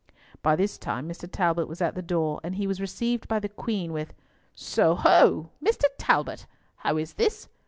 By this time Mr. Talbot was at the door, and he was received by the Queen with, "So ho! Master Talbot, how is this?